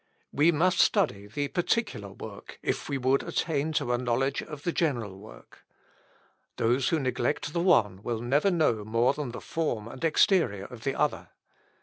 We must study the particular work, if we would attain to a knowledge of the general work. Those who neglect the one will never know more than the form and exterior of the other.